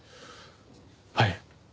はい。